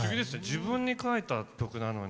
自分に書いた曲なのに。